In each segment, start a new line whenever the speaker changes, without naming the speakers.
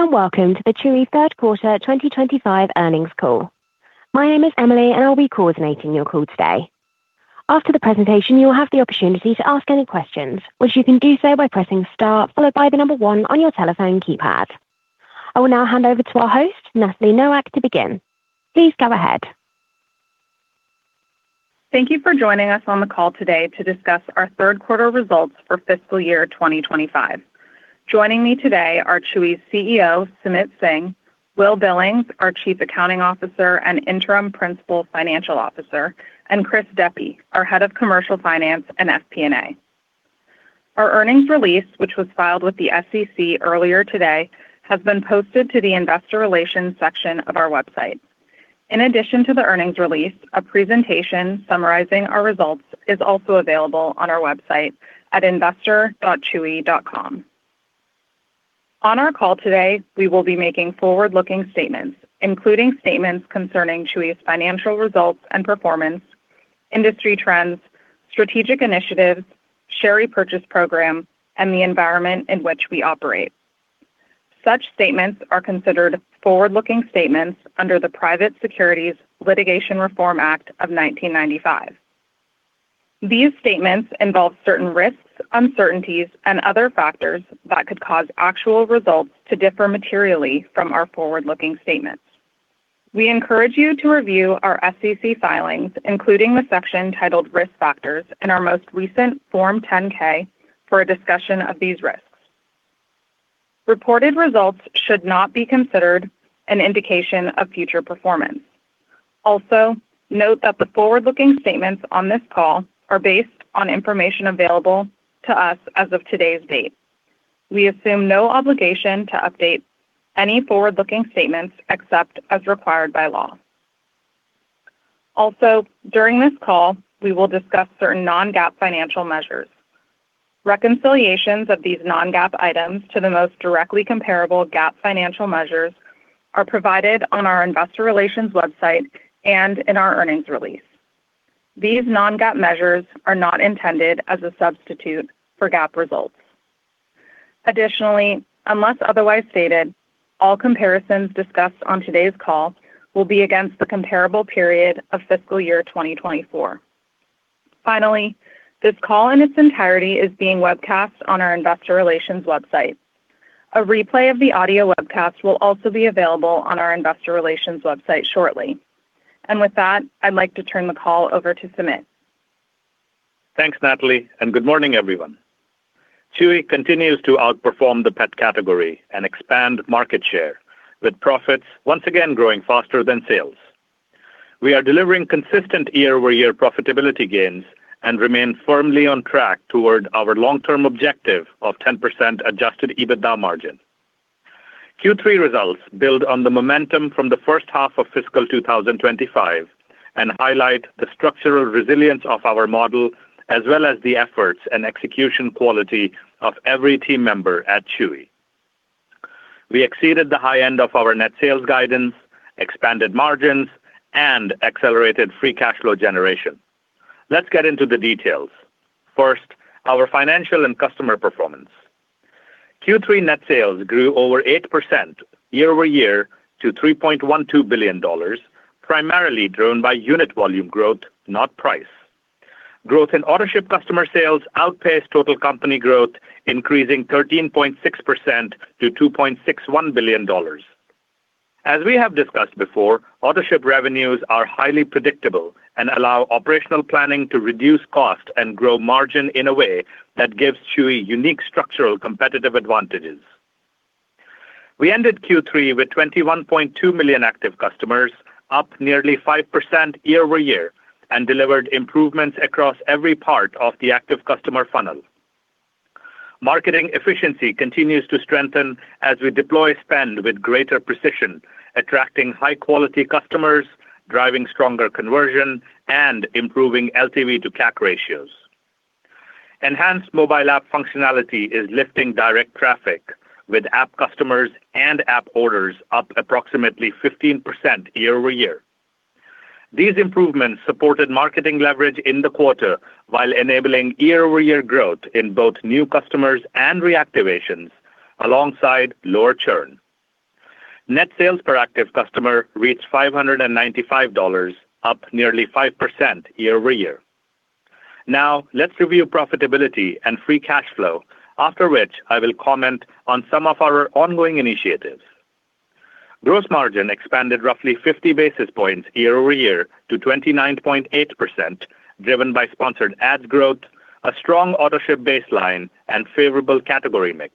Hello and welcome to the Chewy third quarter 2025 earnings call. My name is Emily, and I'll be coordinating your call today. After the presentation, you'll have the opportunity to ask any questions, which you can do so by pressing star followed by the number one on your telephone keypad. I will now hand over to our host, Natalie Nowak, to begin. Please go ahead.
Thank you for joining us on the call today to discuss our third quarter results for fiscal year 2025. Joining me today are Chewy's CEO, Sumit Singh, Will Billings, our Chief Accounting Officer and Interim Principal Financial Officer, and Chris Deppe, our Head of Commercial Finance and FP&A. Our earnings release, which was filed with the SEC earlier today, has been posted to the Investor Relations section of our website. In addition to the earnings release, a presentation summarizing our results is also available on our website at investor.chewy.com. On our call today, we will be making forward-looking statements, including statements concerning Chewy's financial results and performance, industry trends, strategic initiatives, share repurchase program, and the environment in which we operate. Such statements are considered forward-looking statements under the Private Securities Litigation Reform Act of 1995. These statements involve certain risks, uncertainties, and other factors that could cause actual results to differ materially from our forward-looking statements. We encourage you to review our SEC filings, including the section titled Risk Factors, in our most recent Form 10-K for a discussion of these risks. Reported results should not be considered an indication of future performance. Also, note that the forward-looking statements on this call are based on information available to us as of today's date. We assume no obligation to update any forward-looking statements except as required by law. Also, during this call, we will discuss certain non-GAAP financial measures. Reconciliations of these non-GAAP items to the most directly comparable GAAP financial measures are provided on our Investor Relations website and in our earnings release. These non-GAAP measures are not intended as a substitute for GAAP results. Additionally, unless otherwise stated, all comparisons discussed on today's call will be against the comparable period of fiscal year 2024. Finally, this call in its entirety is being webcast on our Investor Relations website. A replay of the audio webcast will also be available on our Investor Relations website shortly. And with that, I'd like to turn the call over to Sumit.
Thanks, Natalie, and good morning, everyone. Chewy continues to outperform the pet category and expand market share, with profits once again growing faster than sales. We are delivering consistent year-over-year profitability gains and remain firmly on track toward our long-term objective of 10% adjusted EBITDA margin. Q3 results build on the momentum from the first half of fiscal 2025 and highlight the structural resilience of our model, as well as the efforts and execution quality of every team member at Chewy. We exceeded the high end of our net sales guidance, expanded margins, and accelerated free cash flow generation. Let's get into the details. First, our financial and customer performance. Q3 net sales grew over eight% year-over-year to $3.12 billion, primarily driven by unit volume growth, not price. Growth in Autoship customer sales outpaced total company growth, increasing 13.6% to $2.61 billion. As we have discussed before, Autoship revenues are highly predictable and allow operational planning to reduce cost and grow margin in a way that gives Chewy unique structural competitive advantages. We ended Q3 with 21.2 million active customers, up nearly 5% year-over-year, and delivered improvements across every part of the active customer funnel. Marketing efficiency continues to strengthen as we deploy spend with greater precision, attracting high-quality customers, driving stronger conversion, and improving LTV to CAC ratios. Enhanced mobile app functionality is lifting direct traffic, with app customers and app orders up approximately 15% year-over-year. These improvements supported marketing leverage in the quarter while enabling year-over-year growth in both new customers and reactivations alongside lower churn. Net sales per active customer reached $595, up nearly 5% year-over-year. Now, let's review profitability and free cash flow, after which I will comment on some of our ongoing initiatives. Gross margin expanded roughly 50 basis points year-over-year to 29.8%, driven by sponsored ads growth, a strong Autoship baseline, and favorable category mix.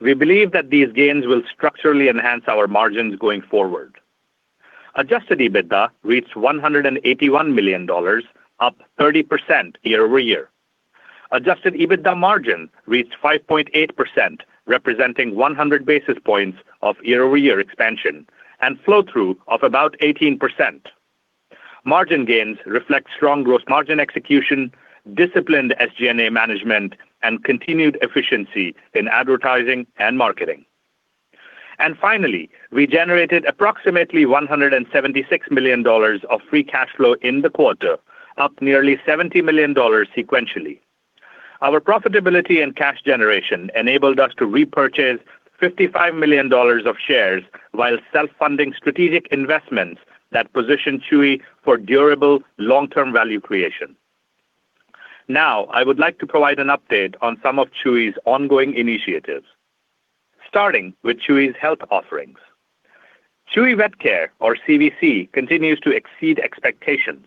We believe that these gains will structurally enhance our margins going forward. Adjusted EBITDA reached $181 million, up 30% year-over-year. Adjusted EBITDA margin reached 5.8%, representing 100 basis points of year-over-year expansion and flow-through of about 18%. Margin gains reflect strong gross margin execution, disciplined SG&A management, and continued efficiency in advertising and marketing. And finally, we generated approximately $176 million of free cash flow in the quarter, up nearly $70 million sequentially. Our profitability and cash generation enabled us to repurchase $55 million of shares while self-funding strategic investments that position Chewy for durable long-term value creation. Now, I would like to provide an update on some of Chewy's ongoing initiatives, starting with Chewy's health offerings. Chewy Vet Care, or CVC, continues to exceed expectations,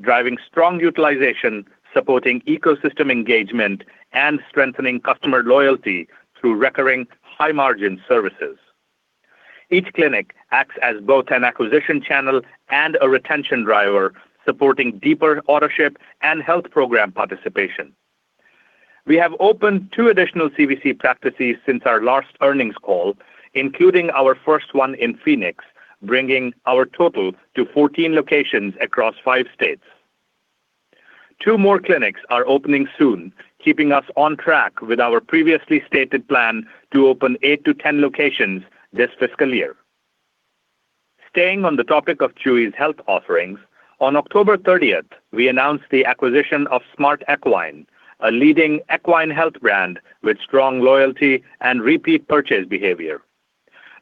driving strong utilization, supporting ecosystem engagement, and strengthening customer loyalty through recurring high-margin services. Each clinic acts as both an acquisition channel and a retention driver, supporting deeper Autoship and health program participation. We have opened two additional CVC practices since our last earnings call, including our first one in Phoenix, bringing our total to 14 locations across five states. Two more clinics are opening soon, keeping us on track with our previously stated plan to open 8-10 locations this fiscal year. Staying on the topic of Chewy's health offerings, on October 30, we announced the acquisition of Smart Equine, a leading equine health brand with strong loyalty and repeat purchase behavior.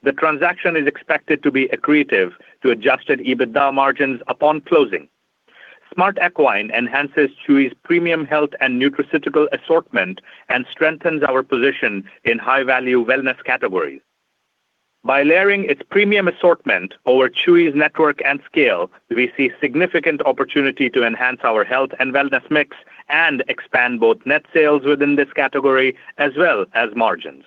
The transaction is expected to be accretive to Adjusted EBITDA margins upon closing. Smart Equine enhances Chewy's premium health and nutraceutical assortment and strengthens our position in high-value wellness categories. By layering its premium assortment over Chewy's network and scale, we see significant opportunity to enhance our health and wellness mix and expand both net sales within this category as well as margins.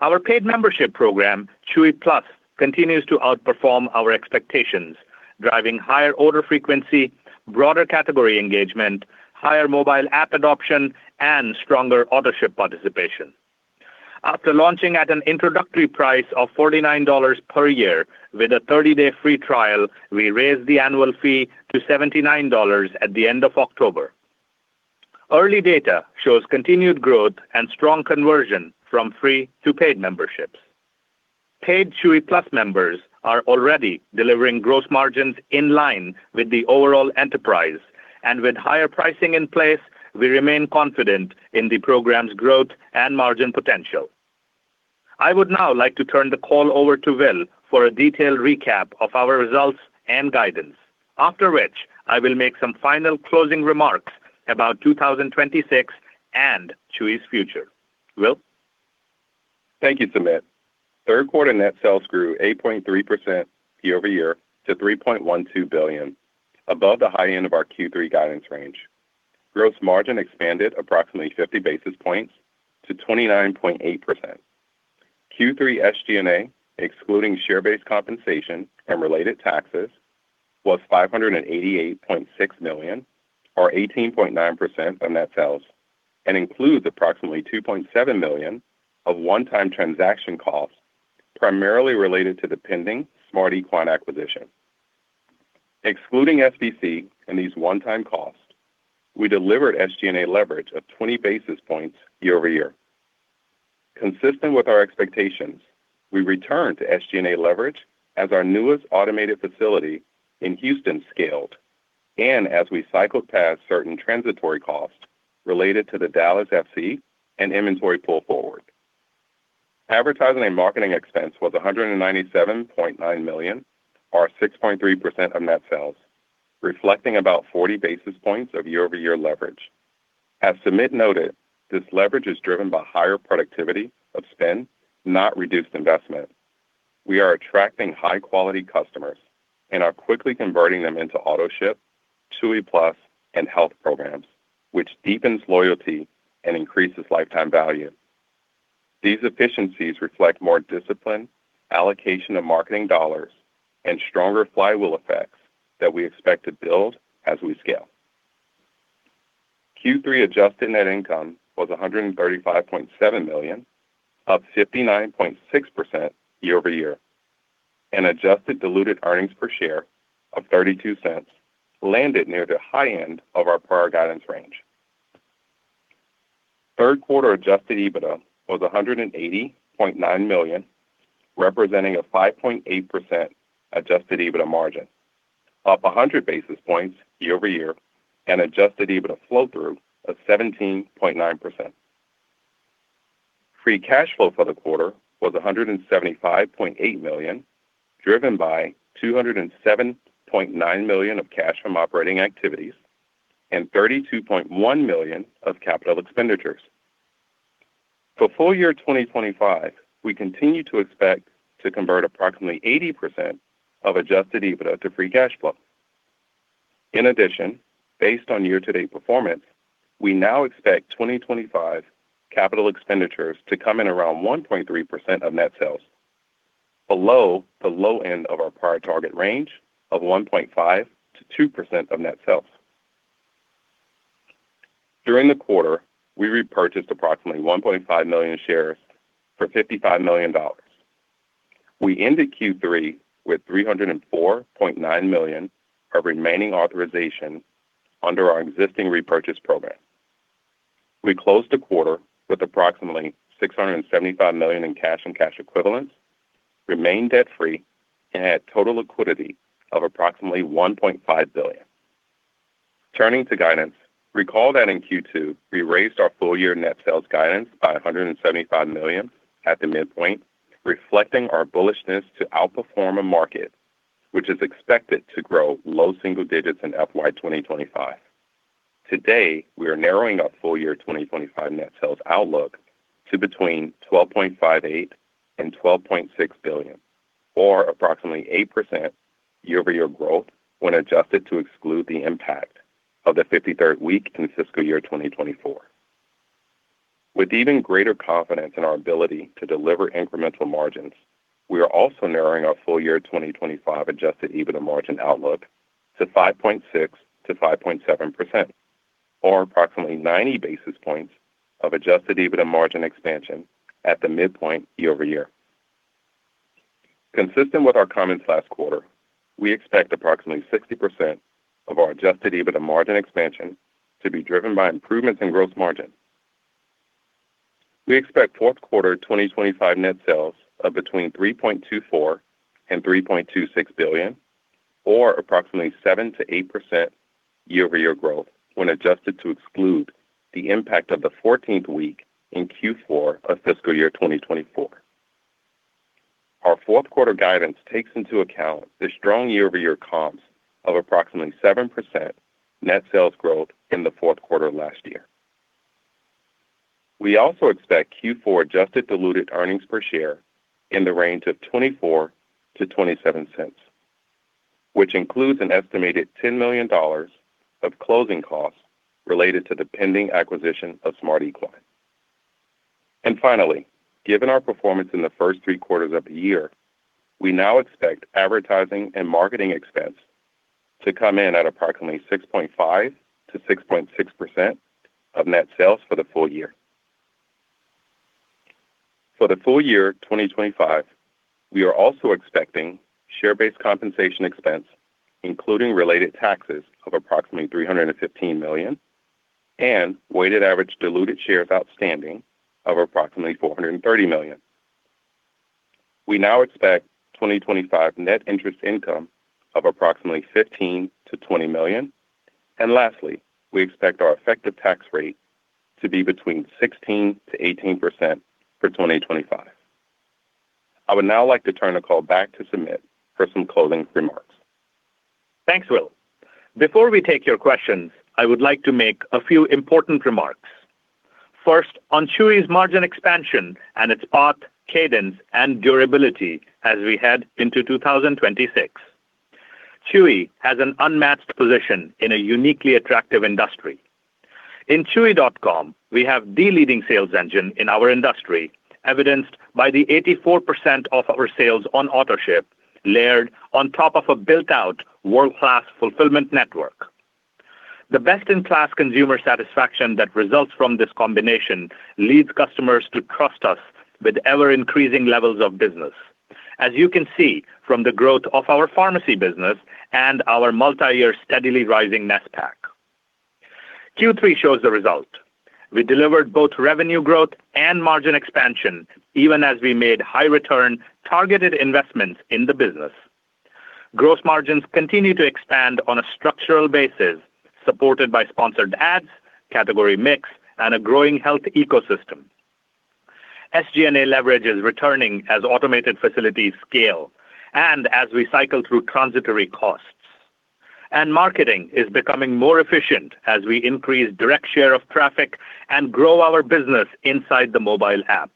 Our paid membership program, Chewy Plus, continues to outperform our expectations, driving higher order frequency, broader category engagement, higher mobile app adoption, and stronger Autoship participation. After launching at an introductory price of $49 per year with a 30-day free trial, we raised the annual fee to $79 at the end of October. Early data shows continued growth and strong conversion from free to paid memberships. Paid Chewy Plus members are already delivering gross margins in line with the overall enterprise, and with higher pricing in place, we remain confident in the program's growth and margin potential. I would now like to turn the call over to Will for a detailed recap of our results and guidance, after which I will make some final closing remarks about 2026 and Chewy's future. Will?
Thank you, Sumit. Third quarter net sales grew 8.3% year-over-year to $3.12 billion, above the high end of our Q3 guidance range. Gross margin expanded approximately 50 basis points to 29.8%. Q3 SG&A, excluding share-based compensation and related taxes, was $588.6 million, or 18.9% of net sales, and includes approximately $2.7 million of one-time transaction costs, primarily related to the pending Smart Equine acquisition. Excluding SBC and these one-time costs, we delivered SG&A leverage of 20 basis points year-over-year. Consistent with our expectations, we returned to SG&A leverage as our newest automated facility in Houston scaled and as we cycled past certain transitory costs related to the Dallas FC and inventory pull forward. Advertising and marketing expense was $197.9 million, or 6.3% of net sales, reflecting about 40 basis points of year-over-year leverage. As Sumit noted, this leverage is driven by higher productivity of spend, not reduced investment. We are attracting high-quality customers and are quickly converting them into Autoship, Chewy Plus, and health programs, which deepens loyalty and increases lifetime value. These efficiencies reflect more discipline, allocation of marketing dollars, and stronger flywheel effects that we expect to build as we scale. Q3 Adjusted Net Income was $135.7 million, up 59.6% year-over-year, and Adjusted Diluted Earnings Per Share of $0.32 landed near the high end of our prior guidance range. Third quarter Adjusted EBITDA was $180.9 million, representing a 5.8% Adjusted EBITDA Margin, up 100 basis points year-over-year, and Adjusted EBITDA flow-through of 17.9%. Free Cash Flow for the quarter was $175.8 million, driven by $207.9 million of cash from operating activities and $32.1 million of Capital Expenditures. For full year 2025, we continue to expect to convert approximately 80% of Adjusted EBITDA to Free Cash Flow. In addition, based on year-to-date performance, we now expect 2025 capital expenditures to come in around 1.3% of net sales, below the low end of our prior target range of 1.5%-2% of net sales. During the quarter, we repurchased approximately 1.5 million shares for $55 million. We ended Q3 with $304.9 million of remaining authorization under our existing repurchase program. We closed the quarter with approximately $675 million in cash and cash equivalents, remained debt-free, and had total liquidity of approximately $1.5 billion. Turning to guidance, recall that in Q2, we raised our full-year net sales guidance by $175 million at the midpoint, reflecting our bullishness to outperform a market which is expected to grow low single digits in FY 2025. Today, we are narrowing our full year 2025 net sales outlook to between $12.58 and $12.6 billion, or approximately 8% year-over-year growth when adjusted to exclude the impact of the 53rd week in fiscal year 2024. With even greater confidence in our ability to deliver incremental margins, we are also narrowing our full year 2025 adjusted EBITDA margin outlook to 5.6% to 5.7%, or approximately 90 basis points of adjusted EBITDA margin expansion at the midpoint year-over-year. Consistent with our comments last quarter, we expect approximately 60% of our adjusted EBITDA margin expansion to be driven by improvements in gross margin. We expect fourth quarter 2025 net sales of between $3.24 and $3.26 billion, or approximately 7% to 8% year-over-year growth when adjusted to exclude the impact of the 14th week in Q4 of fiscal year 2024. Our fourth quarter guidance takes into account the strong year-over-year comps of approximately 7% net sales growth in the fourth quarter last year. We also expect Q4 adjusted diluted earnings per share in the range of $0.24-$0.27, which includes an estimated $10 million of closing costs related to the pending acquisition of Smart Equine. And finally, given our performance in the first three quarters of the year, we now expect advertising and marketing expense to come in at approximately 6.5%-6.6% of net sales for the full year. For the full year 2025, we are also expecting share-based compensation expense, including related taxes of approximately $315 million, and weighted average diluted shares outstanding of approximately 430 million. We now expect 2025 net interest income of approximately $15 million-$20 million. And lastly, we expect our effective tax rate to be between 16%-18% for 2025. I would now like to turn the call back to Sumit for some closing remarks.
Thanks, Will. Before we take your questions, I would like to make a few important remarks. First, on Chewy's margin expansion and its path, cadence, and durability as we head into 2026, Chewy has an unmatched position in a uniquely attractive industry. In Chewy.com, we have the leading sales engine in our industry, evidenced by the 84% of our sales on Autoship layered on top of a built-out world-class fulfillment network. The best-in-class consumer satisfaction that results from this combination leads customers to trust us with ever-increasing levels of business, as you can see from the growth of our pharmacy business and our multi-year steadily rising NSPAC. Q3 shows the result. We delivered both revenue growth and margin expansion, even as we made high-return, targeted investments in the business. Gross margins continue to expand on a structural basis, supported by Sponsored Ads, category mix, and a growing health ecosystem. SG&A leverage is returning as automated facilities scale and as we cycle through transitory costs, and marketing is becoming more efficient as we increase direct share of traffic and grow our business inside the mobile app,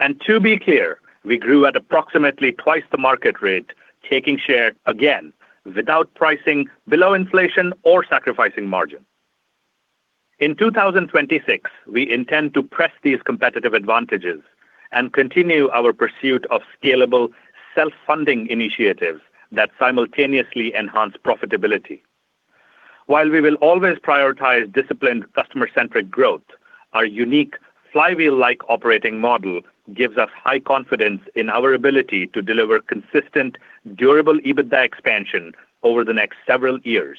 and to be clear, we grew at approximately twice the market rate, taking share again without pricing below inflation or sacrificing margin. In 2026, we intend to press these competitive advantages and continue our pursuit of scalable self-funding initiatives that simultaneously enhance profitability. While we will always prioritize disciplined, customer-centric growth, our unique flywheel-like operating model gives us high confidence in our ability to deliver consistent, durable EBITDA expansion over the next several years.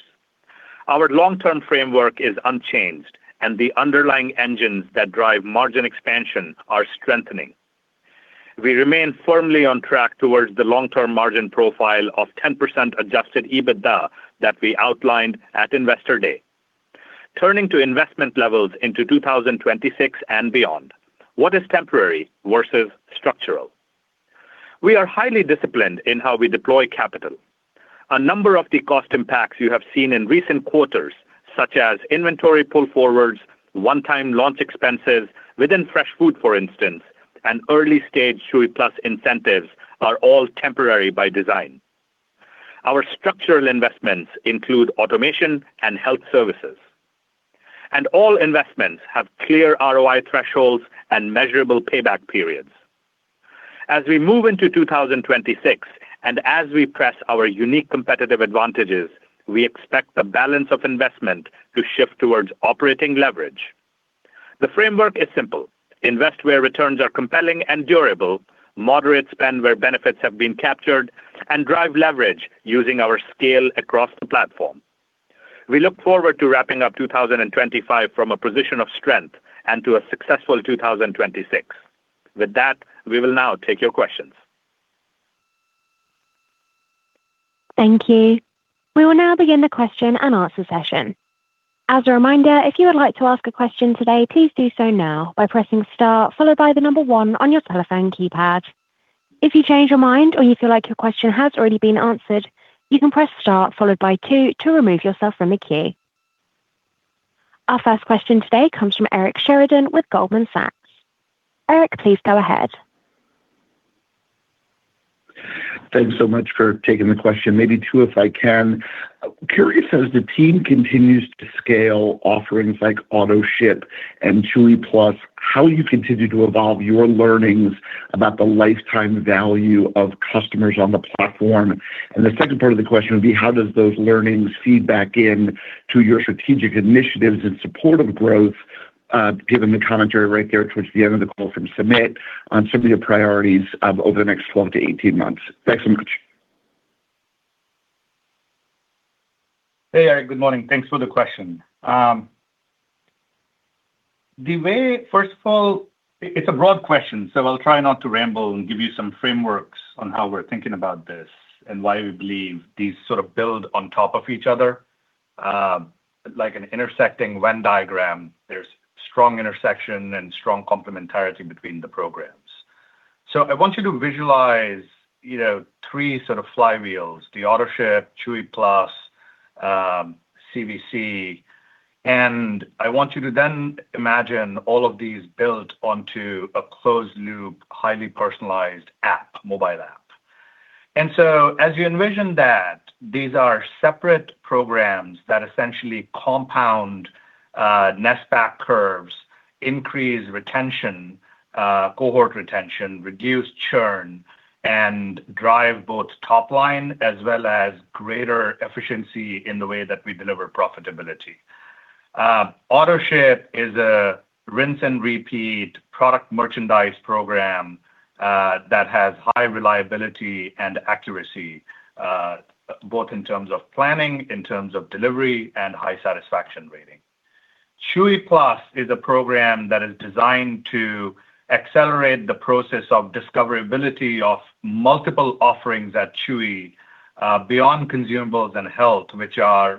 Our long-term framework is unchanged, and the underlying engines that drive margin expansion are strengthening. We remain firmly on track toward the long-term margin profile of 10% Adjusted EBITDA that we outlined at Investor Day. Turning to investment levels into 2026 and beyond, what is temporary versus structural? We are highly disciplined in how we deploy capital. A number of the cost impacts you have seen in recent quarters, such as inventory pull forwards, one-time launch expenses within fresh food, for instance, and early-stage Chewy Plus incentives, are all temporary by design. Our structural investments include automation and health services, and all investments have clear ROI thresholds and measurable payback periods. As we move into 2026 and as we press our unique competitive advantages, we expect the balance of investment to shift toward operating leverage. The framework is simple: invest where returns are compelling and durable, moderate spend where benefits have been captured, and drive leverage using our scale across the platform. We look forward to wrapping up 2025 from a position of strength and to a successful 2026. With that, we will now take your questions.
Thank you. We will now begin the question and answer session. As a reminder, if you would like to ask a question today, please do so now by pressing star, followed by the number one on your telephone keypad. If you change your mind or you feel like your question has already been answered, you can press star, followed by two, to remove yourself from the queue. Our first question today comes from Eric Sheridan with Goldman Sachs. Eric, please go ahead.
Thanks so much for taking the question. Maybe two, if I can. Curious, as the team continues to scale offerings like Autoship and Chewy Plus, how do you continue to evolve your learnings about the lifetime value of customers on the platform? And the second part of the question would be, how does those learnings feed back into your strategic initiatives in support of growth, given the commentary right there towards the end of the call from Sumit on some of your priorities over the next 12-18 months? Thanks so much.
Hey, Eric. Good morning. Thanks for the question. The way, first of all, it's a broad question, so I'll try not to ramble and give you some frameworks on how we're thinking about this and why we believe these sort of build on top of each other, like an intersecting Venn diagram. There's strong intersection and strong complementarity between the programs. So I want you to visualize three sort of flywheels: the Autoship, Chewy Plus, CVC. And I want you to then imagine all of these built onto a closed-loop, highly personalized app, mobile app. And so as you envision that, these are separate programs that essentially compound NSPAC curves, increase retention, cohort retention, reduce churn, and drive both top line as well as greater efficiency in the way that we deliver profitability. Autoship is a rinse and repeat product merchandise program that has high reliability and accuracy, both in terms of planning, in terms of delivery, and high satisfaction rating. Chewy Plus is a program that is designed to accelerate the process of discoverability of multiple offerings at Chewy beyond consumables and health, which are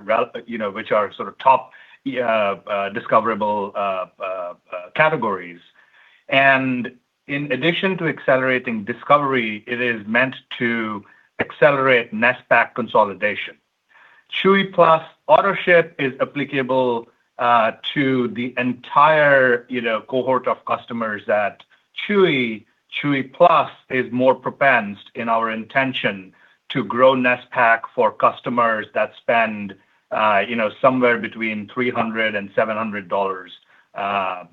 sort of top discoverable categories, and in addition to accelerating discovery, it is meant to accelerate NSPAC consolidation. Chewy Plus Autoship is applicable to the entire cohort of customers at Chewy. Chewy Plus is more prone, in our intention, to grow NSPAC for customers that spend somewhere between $300-$700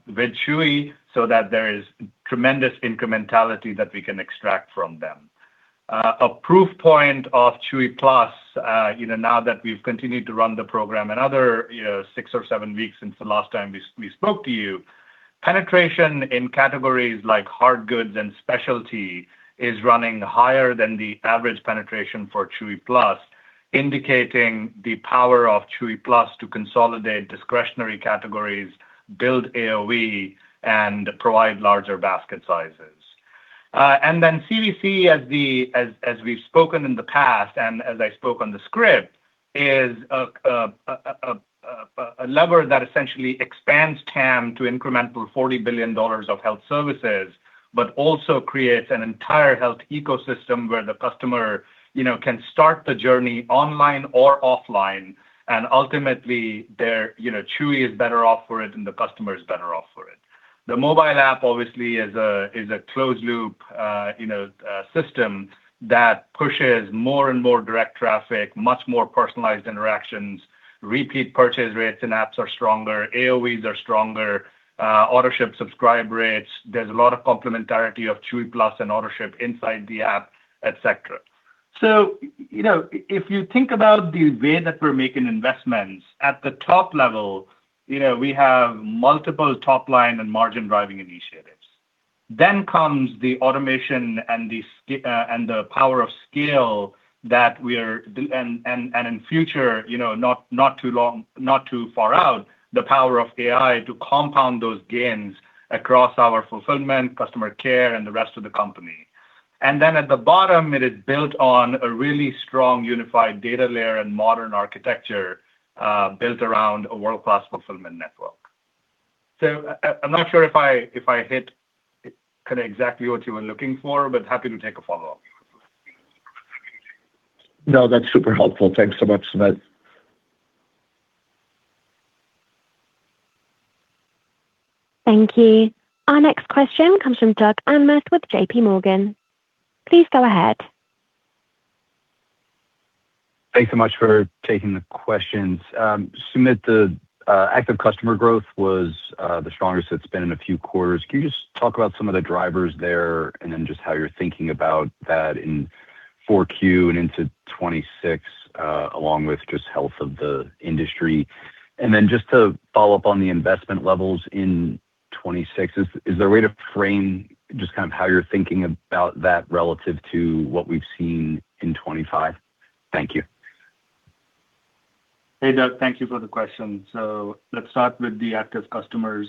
with Chewy, so that there is tremendous incrementality that we can extract from them. A proof point of Chewy Plus, now that we've continued to run the program another six or seven weeks since the last time we spoke to you, penetration in categories like Hardgoods and specialty is running higher than the average penetration for Chewy Plus, indicating the power of Chewy Plus to consolidate discretionary categories, build AOV, and provide larger basket sizes, and then CVC, as we've spoken in the past and as I spoke on the script, is a lever that essentially expands TAM to incremental $40 billion of health services, but also creates an entire health ecosystem where the customer can start the journey online or offline, and ultimately, Chewy is better off for it, and the customer is better off for it. The mobile app, obviously, is a closed-loop system that pushes more and more direct traffic, much more personalized interactions. Repeat purchase rates in apps are stronger. AOVs are stronger. Autoship subscribe rates. There's a lot of complementarity of Chewy Plus and Autoship inside the app, etc., so if you think about the way that we're making investments, at the top level, we have multiple top line and margin-driving initiatives, then comes the automation and the power of scale that we are, and in future, not too far out, the power of AI to compound those gains across our fulfillment, customer care, and the rest of the company, and then at the bottom, it is built on a really strong unified data layer and modern architecture built around a world-class fulfillment network, so I'm not sure if I hit kind of exactly what you were looking for, but happy to take a follow-up.
No, that's super helpful. Thanks so much, Sumit.
Thank you. Our next question comes from Doug Anmuth with JPMorgan. Please go ahead.
Thanks so much for taking the questions. Sumit, the active customer growth was the strongest it's been in a few quarters. Can you just talk about some of the drivers there and then just how you're thinking about that in Q4 and into 2026, along with just health of the industry? And then just to follow up on the investment levels in 2026, is there a way to frame just kind of how you're thinking about that relative to what we've seen in 2025? Thank you.
Hey, Doug. Thank you for the question. So let's start with the active customers.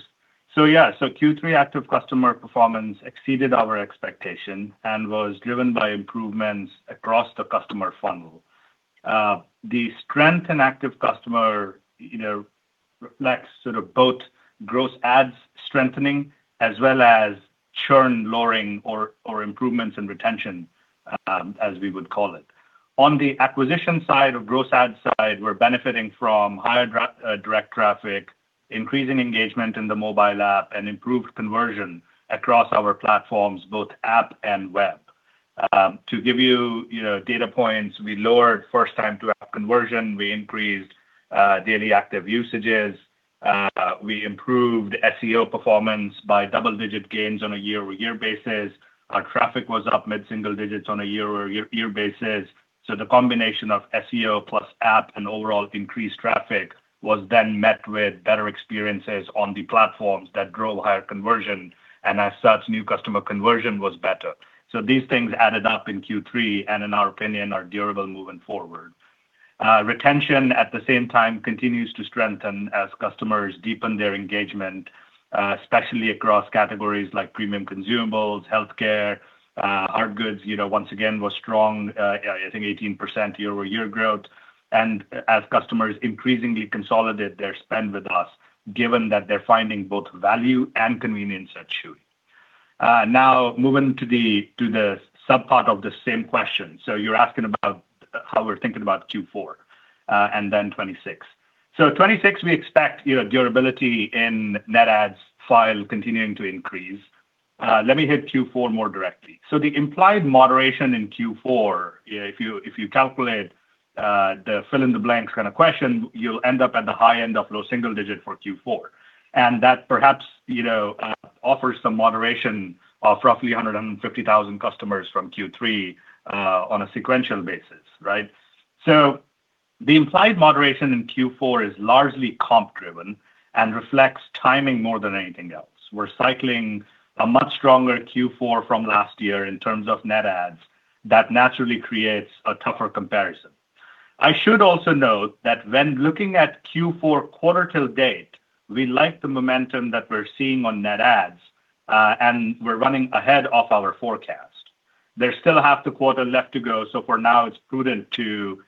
So yeah, so Q3 active customer performance exceeded our expectation and was driven by improvements across the customer funnel. The strength in active customer reflects sort of both gross adds strengthening as well as churn lowering or improvements in retention, as we would call it. On the acquisition side or gross add side, we're benefiting from higher direct traffic, increasing engagement in the mobile app, and improved conversion across our platforms, both app and web. To give you data points, we lowered first-time-to-app conversion. We increased daily active usages. We improved SEO performance by double-digit gains on a year-over-year basis. Our traffic was up mid-single digits on a year-over-year basis. So the combination of SEO plus app and overall increased traffic was then met with better experiences on the platforms that drove higher conversion. And as such, new customer conversion was better. So these things added up in Q3 and, in our opinion, are durable moving forward. Retention, at the same time, continues to strengthen as customers deepen their engagement, especially across categories like premium Consumables, healthcare, Hardgoods. Once again, we're strong, I think, 18% year-over-year growth. And as customers increasingly consolidate their spend with us, given that they're finding both value and convenience at Chewy. Now, moving to the subpart of the same question. So you're asking about how we're thinking about Q4 and then 2026. So 2026, we expect durability in NSPAC continuing to increase. Let me hit Q4 more directly. So the implied moderation in Q4, if you calculate the fill-in-the-blank kind of question, you'll end up at the high end of low single digit for Q4. And that perhaps offers some moderation of roughly 150,000 customers from Q3 on a sequential basis, right? So the implied moderation in Q4 is largely comp-driven and reflects timing more than anything else. We're cycling a much stronger Q4 from last year in terms of net adds that naturally creates a tougher comparison. I should also note that when looking at Q4 quarter to date, we like the momentum that we're seeing on net adds, and we're running ahead of our forecast. There's still half the quarter left to go. So for now, it's prudent to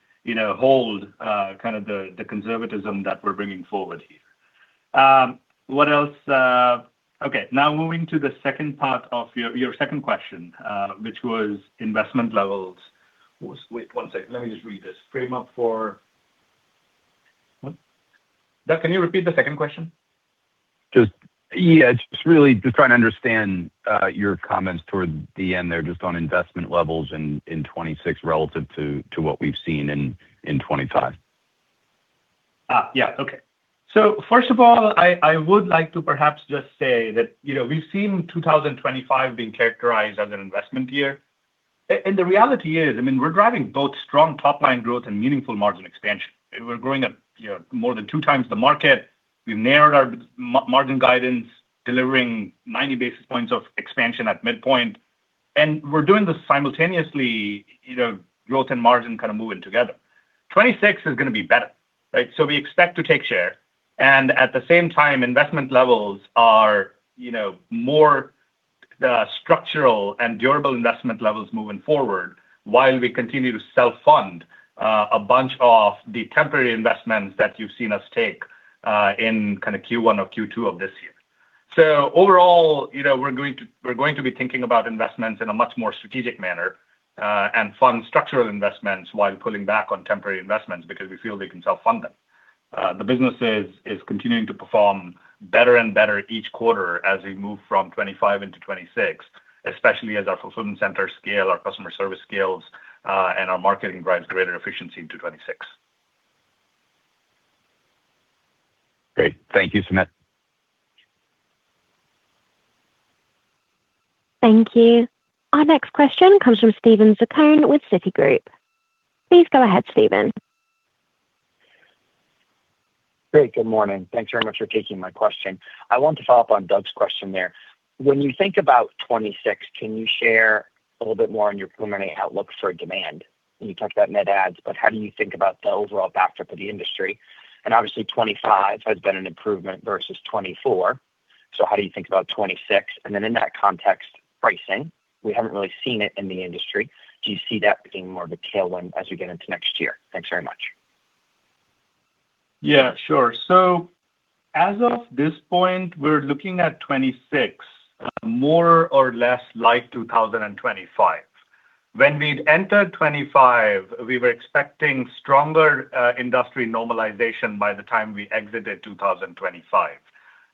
hold kind of the conservatism that we're bringing forward here. What else? Okay. Now, moving to the second part of your second question, which was investment levels. Wait, one second. Let me just read this. Framework for Doug, can you repeat the second question?
Yeah. Just really trying to understand your comments toward the end there just on investment levels in 2026 relative to what we've seen in 2025.
Yeah. Okay. So first of all, I would like to perhaps just say that we've seen 2025 being characterized as an investment year. And the reality is, I mean, we're driving both strong top-line growth and meaningful margin expansion. We're growing at more than two times the market. We've narrowed our margin guidance, delivering 90 basis points of expansion at midpoint. And we're doing this simultaneously, growth and margin kind of moving together. 2026 is going to be better, right? So we expect to take share. And at the same time, investment levels are more structural and durable investment levels moving forward while we continue to self-fund a bunch of the temporary investments that you've seen us take in kind of Q1 or Q2 of this year. So overall, we're going to be thinking about investments in a much more strategic manner and fund structural investments while pulling back on temporary investments because we feel we can self-fund them. The business is continuing to perform better and better each quarter as we move from 2025 into 2026, especially as our fulfillment centers scale, our customer service scales, and our marketing drives greater efficiency into 2026.
Great. Thank you, Sumit.
Thank you. Our next question comes from Steven Zaccone with Citigroup. Please go ahead, Steven.
Great. Good morning. Thanks very much for taking my question. I want to follow up on Doug's question there. When you think about 2026, can you share a little bit more on your preliminary outlook for demand? You talked about net adds, but how do you think about the overall backdrop of the industry? And obviously, 2025 has been an improvement versus 2024. So how do you think about 2026? And then in that context, pricing. We haven't really seen it in the industry. Do you see that being more of a tailwind as we get into next year? Thanks very much.
Yeah, sure. So as of this point, we're looking at 2026 more or less like 2025. When we entered 2025, we were expecting stronger industry normalization by the time we exited 2025,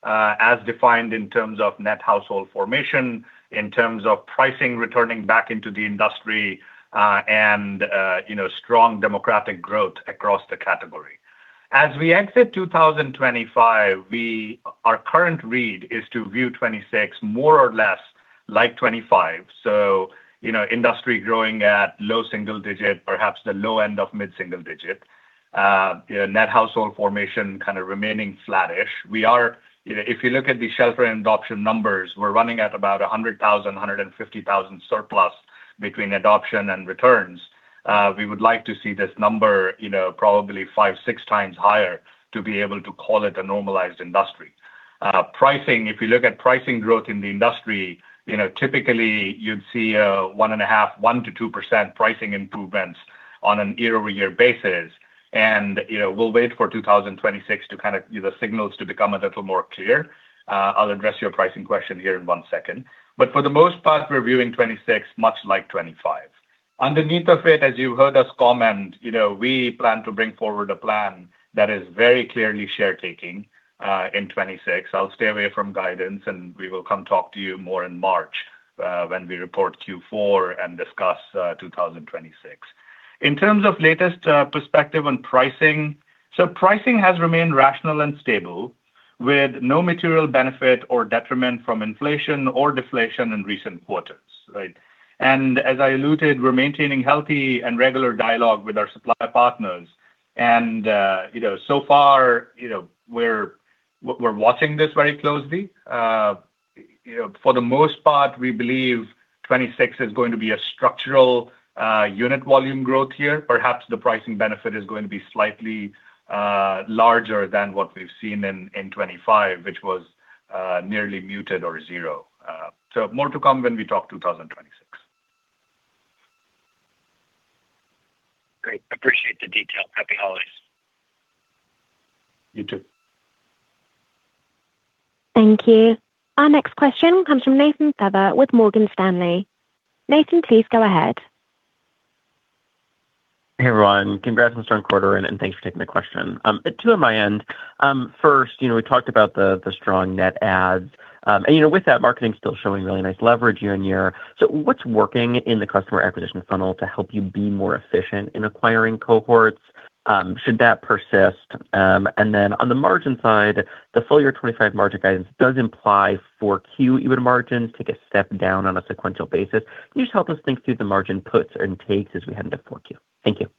as defined in terms of net household formation, in terms of pricing returning back into the industry, and strong demographic growth across the category. As we exit 2025, our current read is to view 2026 more or less like 2025. So industry growing at low single digit, perhaps the low end of mid-single digit. Net household formation kind of remaining flattish. If you look at the shelter and adoption numbers, we're running at about 100,000-150,000 surplus between adoption and returns. We would like to see this number probably five, six times higher to be able to call it a normalized industry. Pricing, if you look at pricing growth in the industry, typically you'd see 1.5, 1%-2% pricing improvements on a year-over-year basis, and we'll wait for 2026 to kind of either signals to become a little more clear. I'll address your pricing question here in one second, but for the most part, we're viewing 2026 much like 2025. Underneath of it, as you heard us comment, we plan to bring forward a plan that is very clearly share-taking in 2026. I'll stay away from guidance, and we will come talk to you more in March when we report Q4 and discuss 2026. In terms of latest perspective on pricing, so pricing has remained rational and stable with no material benefit or detriment from inflation or deflation in recent quarters, right, and as I alluded, we're maintaining healthy and regular dialogue with our supplier partners. And so far, we're watching this very closely. For the most part, we believe 2026 is going to be a structural unit volume growth year. Perhaps the pricing benefit is going to be slightly larger than what we've seen in 2025, which was nearly muted or zero. So more to come when we talk 2026.
Great. Appreciate the detail. Happy holidays.
You too.
Thank you. Our next question comes from Nathan Feather with Morgan Stanley. Nathan, please go ahead.
Hey, everyone. Congrats on the starting quarter, and thanks for taking the question. Two on my end. First, we talked about the strong NSPAC, and with that, marketing is still showing really nice leverage year on year. So what's working in the customer acquisition funnel to help you be more efficient in acquiring cohorts? Should that persist? And then on the margin side, the full year 2025 margin guidance does imply for Q4 even margins take a step down on a sequential basis. Can you just help us think through the margin puts and takes as we head into Q4? Thank you.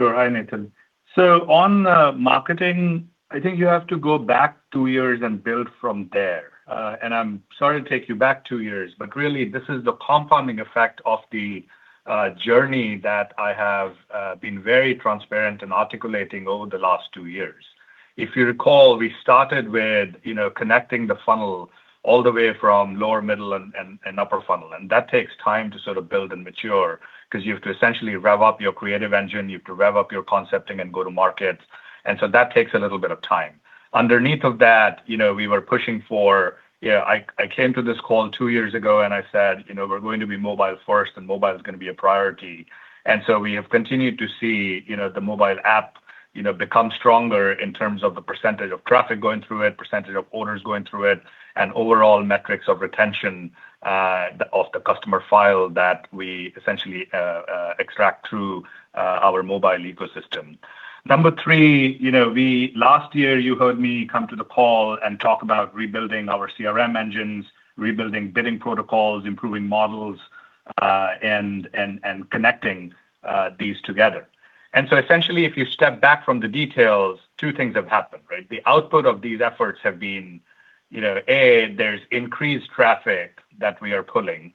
Sure. Hi, Nathan. So on the marketing, I think you have to go back two years and build from there. And I'm sorry to take you back two years, but really, this is the compounding effect of the journey that I have been very transparent and articulating over the last two years. If you recall, we started with connecting the funnel all the way from lower, middle, and upper funnel. And that takes time to sort of build and mature because you have to essentially rev up your creative engine. You have to rev up your concepting and go to market. And so that takes a little bit of time. Underneath of that, we were pushing for. I came to this call two years ago, and I said, "We're going to be mobile first, and mobile is going to be a priority." And so we have continued to see the mobile app become stronger in terms of the percentage of traffic going through it, percentage of orders going through it, and overall metrics of retention of the customer file that we essentially extract through our mobile ecosystem. Number three, last year, you heard me come to the call and talk about rebuilding our CRM engines, rebuilding bidding protocols, improving models, and connecting these together. And so essentially, if you step back from the details, two things have happened, right? The output of these efforts have been A, there's increased traffic that we are pulling,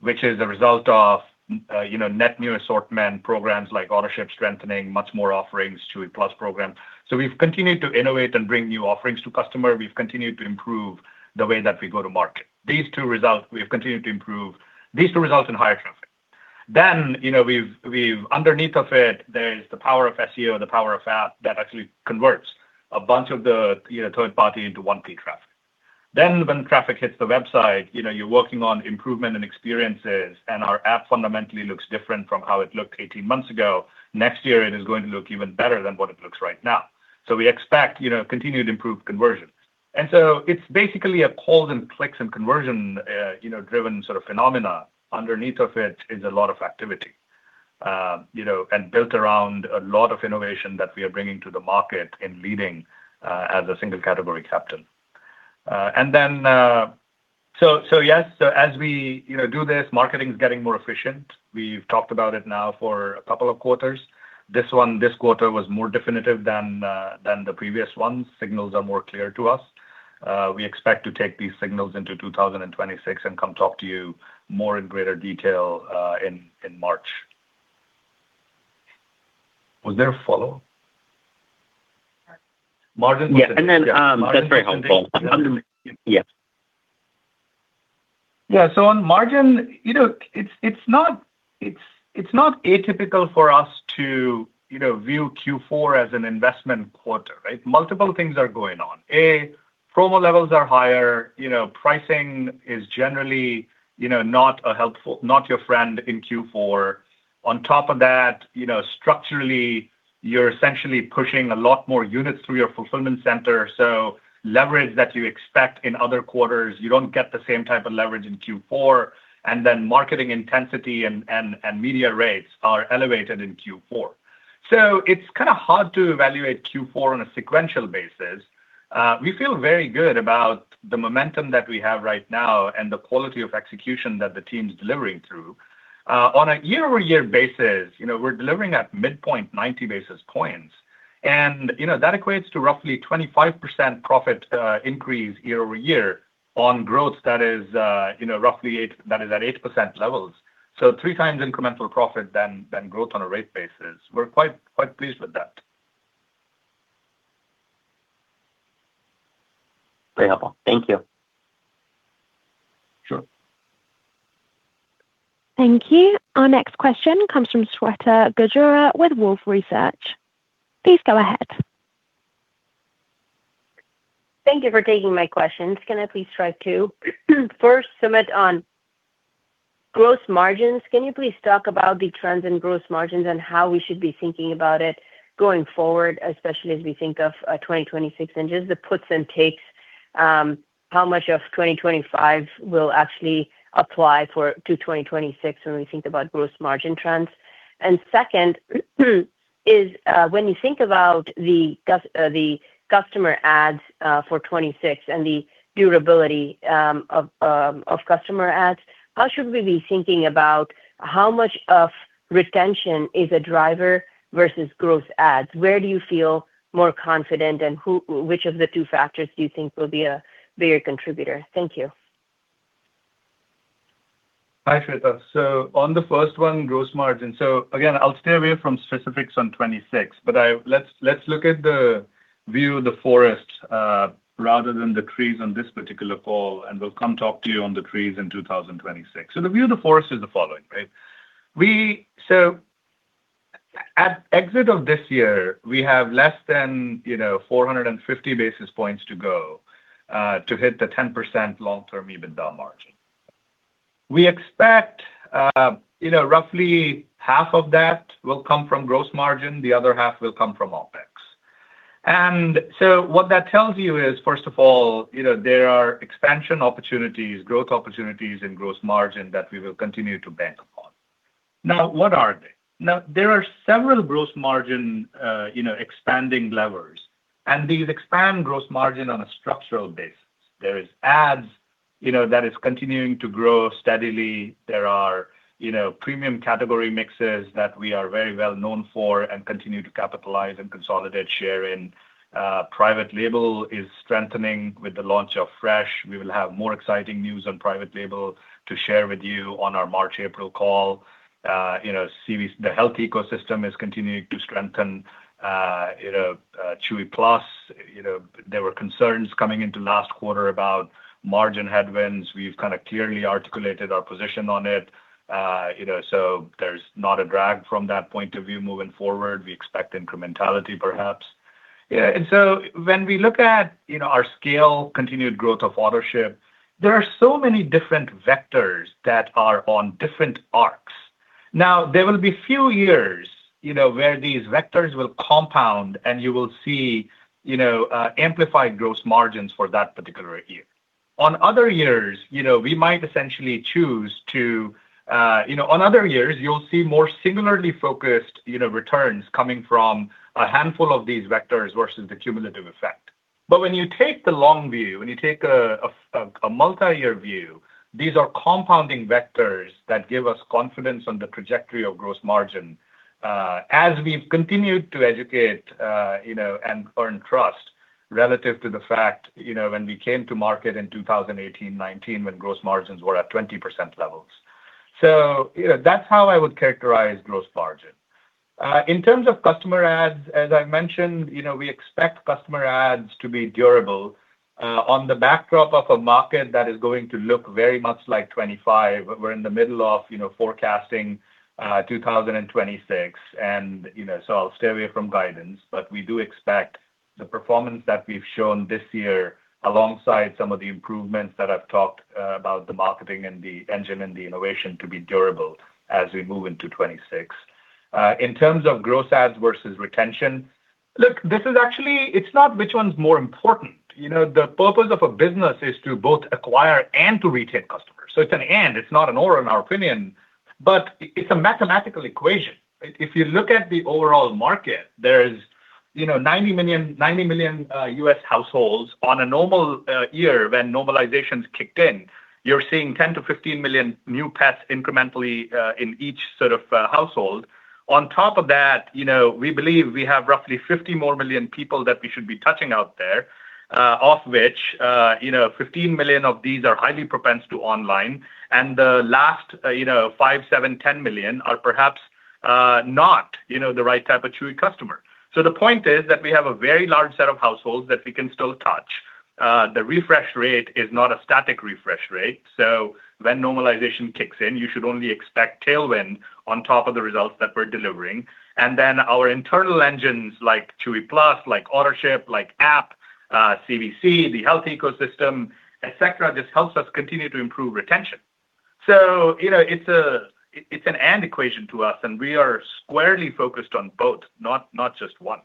which is a result of net new assortment programs like ownership strengthening, much more offerings, Chewy Plus program. So we've continued to innovate and bring new offerings to customers. We've continued to improve the way that we go to market. These two result we've continued to improve. These two result in higher traffic. Then we've underneath of it, there's the power of SEO, the power of app that actually converts a bunch of the third-party into one-page traffic. Then when traffic hits the website, you're working on improvement and experiences, and our app fundamentally looks different from how it looked 18 months ago. Next year, it is going to look even better than what it looks right now. So we expect continued improved conversion. And so it's basically a calls and clicks and conversion-driven sort of phenomena. Underneath of it is a lot of activity and built around a lot of innovation that we are bringing to the market and leading as a single category captain. And then so yes, so as we do this, marketing is getting more efficient. We've talked about it now for a couple of quarters. This quarter was more definitive than the previous ones. Signals are more clear to us. We expect to take these signals into 2026 and come talk to you more in greater detail in March. Was there a follow-up?
Margin. Yeah, and then that's very helpful. Yeah.
Yeah. So on margin, it's not atypical for us to view Q4 as an investment quarter, right? Multiple things are going on. A, promo levels are higher. Pricing is generally not your friend in Q4. On top of that, structurally, you're essentially pushing a lot more units through your fulfillment center. So leverage that you expect in other quarters, you don't get the same type of leverage in Q4. And then marketing intensity and media rates are elevated in Q4. So it's kind of hard to evaluate Q4 on a sequential basis. We feel very good about the momentum that we have right now and the quality of execution that the team is delivering through. On a year-over-year basis, we're delivering at midpoint 90 basis points. And that equates to roughly 25% profit increase year-over-year on growth that is roughly at 8% levels. Three times incremental profit than growth on a rate basis. We're quite pleased with that.
Very helpful. Thank you.
Sure.
Thank you. Our next question comes from Shweta Khajuria with Wolfe Research. Please go ahead.
Thank you for taking my questions. Can I please try too? First, Sumit, on gross margins, can you please talk about the trends in gross margins and how we should be thinking about it going forward, especially as we think of 2026 and just the puts and takes, how much of 2025 will actually apply to 2026 when we think about gross margin trends? And second is when you think about the customer adds for '26 and the durability of customer adds, how should we be thinking about how much of retention is a driver versus gross adds? Where do you feel more confident, and which of the two factors do you think will be a bigger contributor? Thank you.
Hi, Shweta. So on the first one, gross margin. So again, I'll stay away from specifics on 2026, but let's look at the view of the forest rather than the trees on this particular call, and we'll come talk to you on the trees in 2026. So the view of the forest is the following, right? So at exit of this year, we have less than 450 basis points to go to hit the 10% long-term EBITDA margin. We expect roughly half of that will come from gross margin. The other half will come from OpEx. And so what that tells you is, first of all, there are expansion opportunities, growth opportunities in gross margin that we will continue to bank upon. Now, what are they? Now, there are several gross margin expanding levers, and these expand gross margin on a structural basis. There are ads that are continuing to grow steadily. There are premium category mixes that we are very well known for and continue to capitalize and consolidate share in. Private label is strengthening with the launch of Fresh. We will have more exciting news on private label to share with you on our March-April call. The health ecosystem is continuing to strengthen. Chewy Plus, there were concerns coming into last quarter about margin headwinds. We've kind of clearly articulated our position on it. So there's not a drag from that point of view moving forward. We expect incrementality, perhaps. Yeah. And so when we look at our scale, continued growth of ownership, there are so many different vectors that are on different arcs. Now, there will be a few years where these vectors will compound, and you will see amplified gross margins for that particular year. In other years, we might essentially choose to, in other years, you'll see more singularly focused returns coming from a handful of these vectors versus the cumulative effect. But when you take the long view, when you take a multi-year view, these are compounding vectors that give us confidence on the trajectory of gross margin as we've continued to educate and earn trust relative to the fact when we came to market in 2018, 2019, when gross margins were at 20% levels. So that's how I would characterize gross margin. In terms of customer ads, as I mentioned, we expect customer ads to be durable on the backdrop of a market that is going to look very much like 2025. We're in the middle of forecasting 2026. And so I'll stay away from guidance, but we do expect the performance that we've shown this year alongside some of the improvements that I've talked about, the marketing and the engine and the innovation to be durable as we move into 2026. In terms of gross adds versus retention, look, this is actually, it's not which one's more important. The purpose of a business is to both acquire and to retain customers. So it's an and. It's not an or in our opinion, but it's a mathematical equation. If you look at the overall market, there's 90 million U.S. households. On a normal year, when normalization's kicked in, you're seeing 10 million-15 million new pets incrementally in each sort of household. On top of that, we believe we have roughly 50 more million people that we should be touching out there, of which 15 million of these are highly propensed to online, and the last five, seven, 10 million are perhaps not the right type of Chewy customer, so the point is that we have a very large set of households that we can still touch. The refresh rate is not a static refresh rate, so when normalization kicks in, you should only expect tailwind on top of the results that we're delivering, and then our internal engines like Chewy Plus, like ownership, like app, CVC, the health ecosystem, etc., just helps us continue to improve retention, so it's an and equation to us, and we are squarely focused on both, not just one.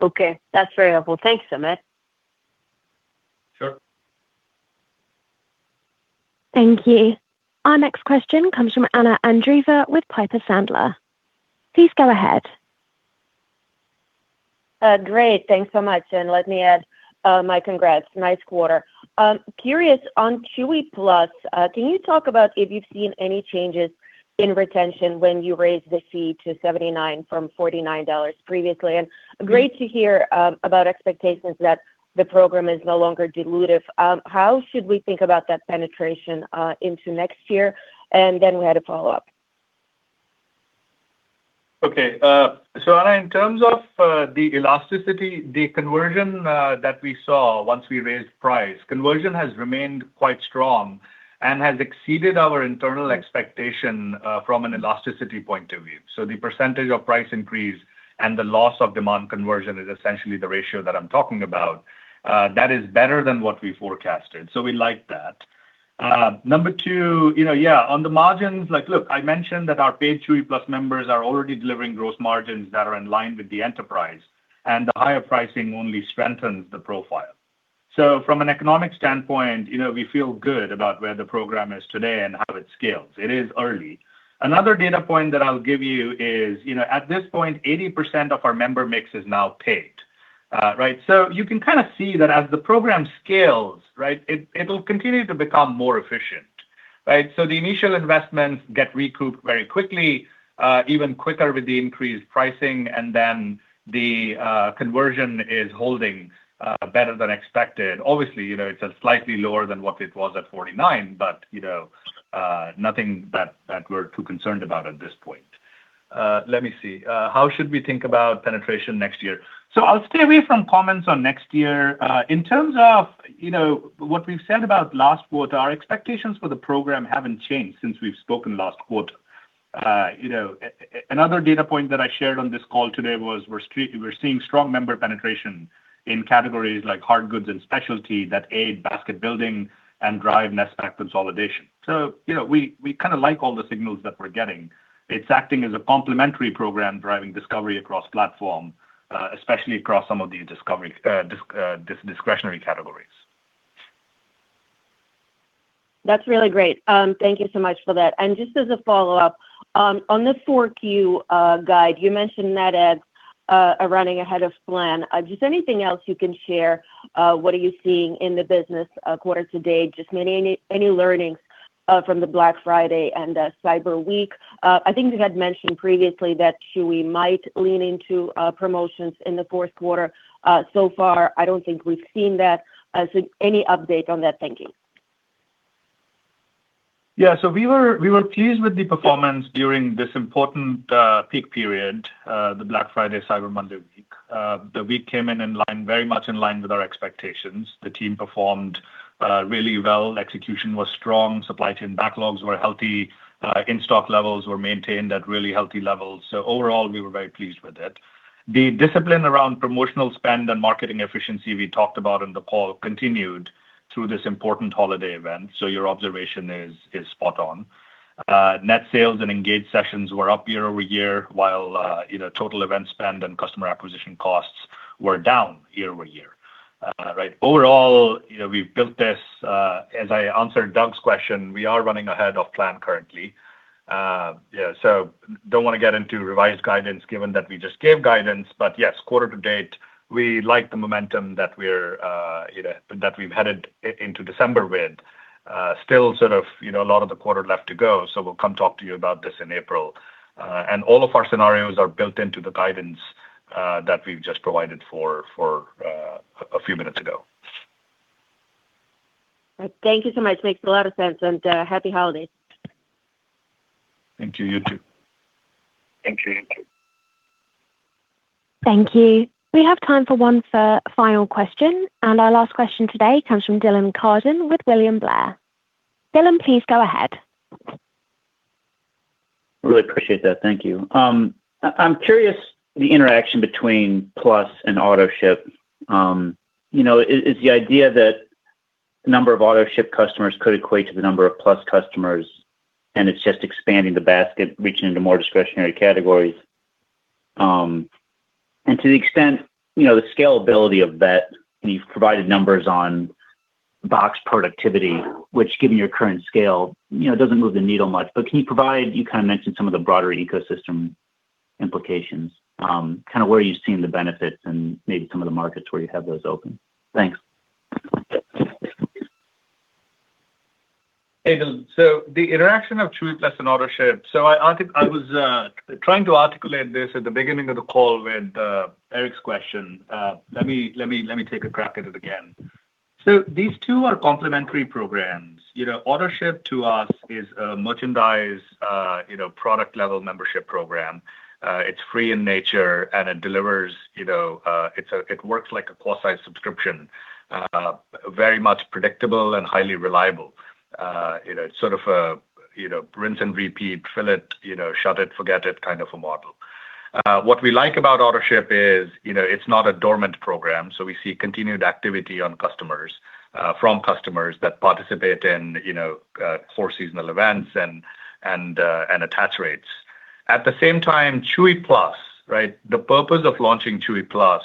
Okay. That's very helpful. Thanks, Sumit.
Sure.
Thank you. Our next question comes from Anna Andreeva with Piper Sandler. Please go ahead.
Great. Thanks so much. And let me add my congrats. Nice quarter. Curious, on Chewy Plus, can you talk about if you've seen any changes in retention when you raised the fee to $79 from $49 previously? And great to hear about expectations that the program is no longer dilutive. How should we think about that penetration into next year? And then we had a follow-up.
Okay. So Anna, in terms of the elasticity, the conversion that we saw once we raised price, conversion has remained quite strong and has exceeded our internal expectation from an elasticity point of view. So the percentage of price increase and the loss of demand conversion is essentially the ratio that I'm talking about. That is better than what we forecasted. So we like that. Number two, yeah, on the margins, look, I mentioned that our paid Chewy Plus members are already delivering gross margins that are in line with the enterprise, and the higher pricing only strengthens the profile. So from an economic standpoint, we feel good about where the program is today and how it scales. It is early. Another data point that I'll give you is, at this point, 80% of our member mix is now paid, right? So you can kind of see that as the program scales, right, it'll continue to become more efficient, right? So the initial investments get recouped very quickly, even quicker with the increased pricing, and then the conversion is holding better than expected. Obviously, it's slightly lower than what it was at 49, but nothing that we're too concerned about at this point. Let me see. How should we think about penetration next year? So I'll stay away from comments on next year. In terms of what we've said about last quarter, our expectations for the program haven't changed since we've spoken last quarter. Another data point that I shared on this call today was we're seeing strong member penetration in categories like hardgoods and specialty that aid basket building and drive NSPAC consolidation. So we kind of like all the signals that we're getting. It's acting as a complementary program driving discovery across platform, especially across some of these discretionary categories.
That's really great. Thank you so much for that. And just as a follow-up, on the Q4 guide, you mentioned NSPAC running ahead of plan. Just anything else you can share? What are you seeing in the business Q to date? Just any learnings from the Black Friday and Cyber Week? I think you had mentioned previously that Chewy might lean into promotions in the fourth quarter. So far, I don't think we've seen that. So any update on that? Thank you.
Yeah. So we were pleased with the performance during this important peak period, the Black Friday, Cyber Monday week. The week came in very much in line with our expectations. The team performed really well. Execution was strong. Supply chain backlogs were healthy. In-stock levels were maintained at really healthy levels. So overall, we were very pleased with it. The discipline around promotional spend and marketing efficiency we talked about in the call continued through this important holiday event. So your observation is spot on. Net sales and engaged sessions were upyear-over-year while total event spend and customer acquisition costs were downyear-over-year, right? Overall, we've built this. As I answered Doug's question, we are running ahead of plan currently. Yeah. So don't want to get into revised guidance given that we just gave guidance. But yes, quarter to date, we like the momentum that we've headed into December with. Still sort of a lot of the quarter left to go. So we'll come talk to you about this in April. And all of our scenarios are built into the guidance that we've just provided for a few minutes ago.
Thank you so much. Makes a lot of sense. And happy holidays.
Thank you. You too.
Thank you.
Thank you. We have time for one final question. And our last question today comes from Dylan Carden with William Blair. Dylan, please go ahead.
Really appreciate that. Thank you. I'm curious the interaction between Plus and Autoship. It's the idea that the number of Autoship customers could equate to the number of Plus customers, and it's just expanding the basket, reaching into more discretionary categories. And to the extent the scalability of that, and you've provided numbers on box productivity, which, given your current scale, doesn't move the needle much. But can you provide? You kind of mentioned some of the broader ecosystem implications, kind of where you've seen the benefits and maybe some of the markets where you have those open? Thanks.
Hey, Dylan. So the interaction of Chewy Plus and Autoship. So I was trying to articulate this at the beginning of the call with Eric's question. Let me take a crack at it again. So these two are complementary programs. Autoship, to us, is a merchandise product-level membership program. It's free in nature, and it delivers. It works like a quasi-subscription, very much predictable and highly reliable. It's sort of a rinse and repeat, fill it, shut it, forget it kind of a model. What we like about Autoship is it's not a dormant program. So we see continued activity from customers that participate in four seasonal events and attach rates. At the same time, Chewy Plus, right, the purpose of launching Chewy Plus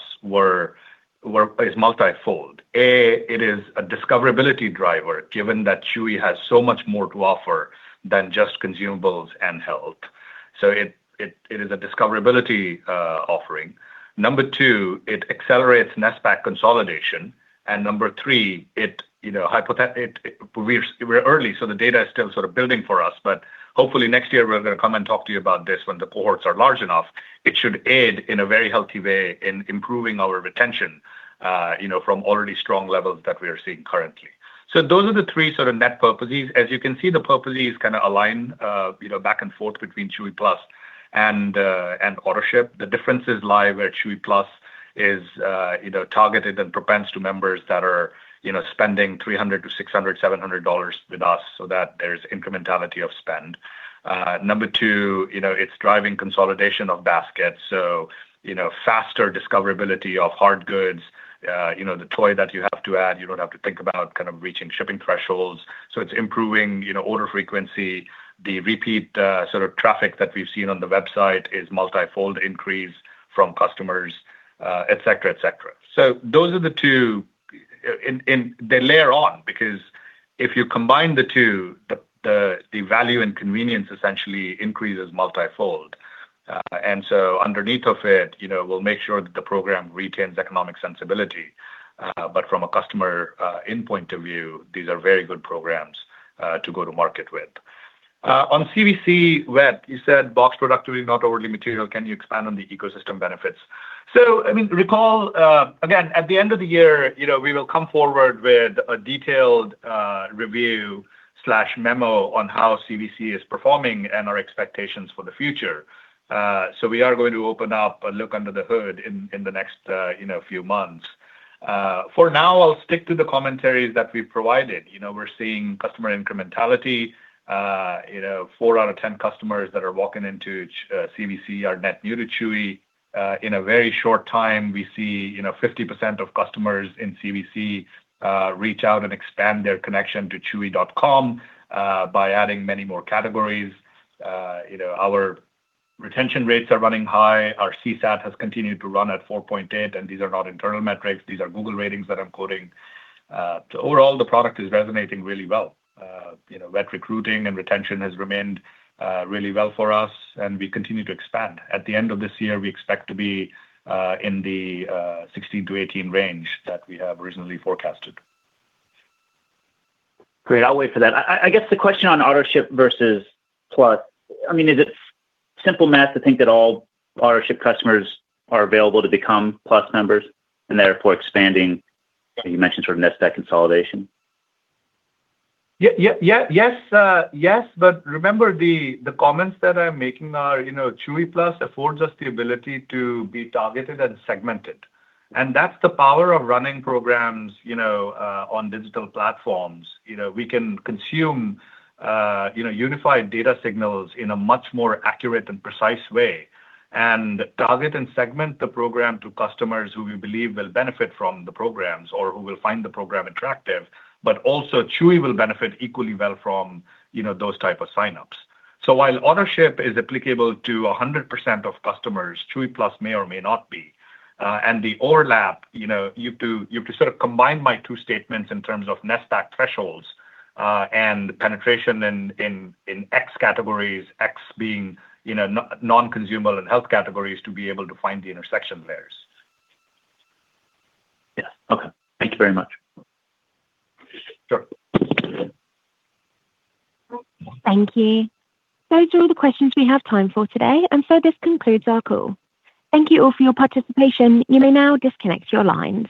is multifold. A, it is a discoverability driver given that Chewy has so much more to offer than just consumables and health. So it is a discoverability offering. Number two, it accelerates NSPAC consolidation. And number three, we're early, so the data is still sort of building for us. But hopefully, next year, we're going to come and talk to you about this when the cohorts are large enough. It should aid in a very healthy way in improving our retention from already strong levels that we are seeing currently. So those are the three sort of NSPAC purposes. As you can see, the purposes kind of align back and forth between Chewy Plus and Autoship. The differences lie where Chewy Plus is targeted and positioned to members that are spending $300-$700 with us so that there's incrementality of spend. Number two, it's driving consolidation of baskets. So faster discoverability of Hardgoods, the toy that you have to add. You don't have to think about kind of reaching shipping thresholds, so it's improving order frequency. The repeat sort of traffic that we've seen on the website is multifold increase from customers, etc., etc., so those are the two they layer on because if you combine the two, the value and convenience essentially increases multifold, and so underneath of it, we'll make sure that the program retains economic sensibility, but from a customer endpoint of view, these are very good programs to go to market with. On CVC, you said box productivity, not overly material. Can you expand on the ecosystem benefits, so I mean, recall again at the end of the year, we will come forward with a detailed review/memo on how CVC is performing and our expectations for the future, so we are going to open up a look under the hood in the next few months. For now, I'll stick to the commentaries that we've provided. We're seeing customer incrementality, four out of 10 customers that are walking into CVC are net new to Chewy. In a very short time, we see 50% of customers in CVC reach out and expand their connection to Chewy.com by adding many more categories. Our retention rates are running high. Our CSAT has continued to run at 4.8, and these are not internal metrics. These are Google ratings that I'm quoting, so overall, the product is resonating really well. Vet recruiting and retention has remained really well for us, and we continue to expand. At the end of this year, we expect to be in the 16-18 range that we have originally forecasted.
Great. I'll wait for that. I guess the question on Autoship versus Plus, I mean, is it simple math to think that all Autoship customers are available to become Plus members and therefore expanding? You mentioned sort of NSPAC consolidation.
Yes, yes, yes, but remember, the comments that I'm making are Chewy Plus affords us the ability to be targeted and segmented, and that's the power of running programs on digital platforms. We can consume unified data signals in a much more accurate and precise way and target and segment the program to customers who we believe will benefit from the programs or who will find the program attractive, but also Chewy will benefit equally well from those type of signups, so while Autoship is applicable to 100% of customers, Chewy Plus may or may not be, and the overlap, you have to sort of combine my two statements in terms of NSPAC thresholds and penetration in X categories, X being non-consumable and health categories to be able to find the intersection layers.
Yes. Okay. Thank you very much.
Sure.
Thank you. Those are all the questions we have time for today. And so this concludes our call. Thank you all for your participation. You may now disconnect your lines.